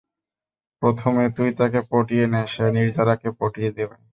প্রথমে তুই তাকে পটিয়ে নে, সে নির্জারাকে পটিয়ে দিবে।